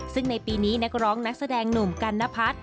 ซึ่งในปีนี้นักร้องนักแสดงหนุ่มกันนพัฒน์